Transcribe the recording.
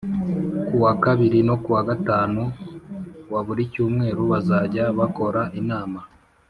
Kuwa kabiri no ku wa gatanu wa buri cyumweru bazajya bakora inama